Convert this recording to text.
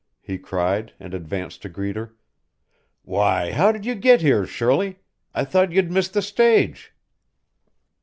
he cried, and advanced to greet her. "Why, how did you get here, Shirley? I thought you'd missed the stage."